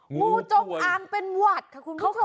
งูจงอางเป็นหวัดค่ะคุณผู้ชม